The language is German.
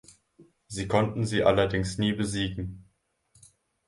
Sie konnten sie allerdings nie besiegen.